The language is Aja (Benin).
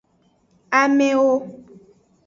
Amewo.